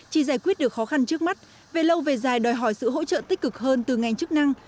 chỉ giải quyết được khó khăn trước mắt về lâu về dài đòi hỏi sự hỗ trợ tích cực hơn từ ngành chức năng